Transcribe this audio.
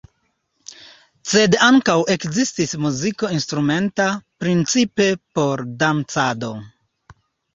Sed ankaŭ ekzistis muziko instrumenta, principe por dancado.